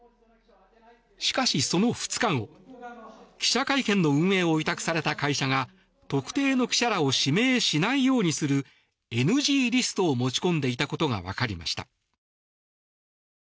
しかし、その２日後記者会見の運営を委託された会社が特定の記者らを指名しないようにするＮＧリストを持ち込んでいたことがわかりました。